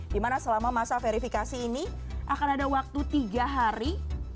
dimana selama masa verifikasi ini akan ada waktu tiga hari